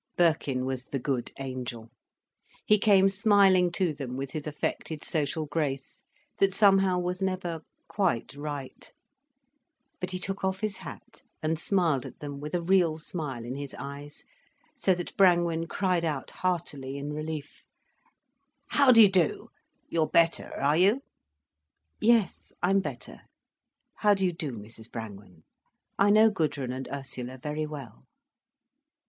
Birkin was the good angel. He came smiling to them with his affected social grace, that somehow was never quite right. But he took off his hat and smiled at them with a real smile in his eyes, so that Brangwen cried out heartily in relief: "How do you do? You're better, are you?" "Yes, I'm better. How do you do, Mrs Brangwen? I know Gudrun and Ursula very well."